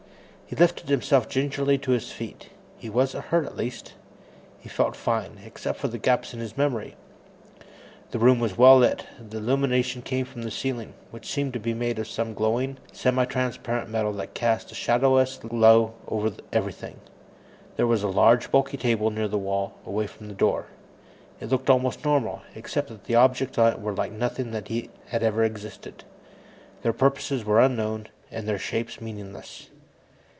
He lifted himself gingerly to his feet. He wasn't hurt, at least. He felt fine, except for the gaps in his memory. The room was well lit. The illumination came from the ceiling, which seemed to be made of some glowing, semitranslucent metal that cast a shadowless glow over everything. There was a large, bulky table near the wall away from the door; it looked almost normal, except that the objects on it were like nothing that had ever existed. Their purposes were unknown, and their shapes meaningless.